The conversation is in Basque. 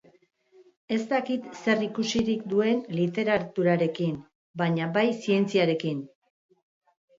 Ez dakit zer ikusirik duen literaturarekin, baina bai zientziarekin.